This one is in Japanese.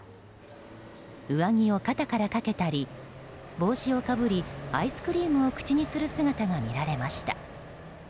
上着を肩から掛けたり帽子をかぶり、アイスクリームを口にする姿が見られました。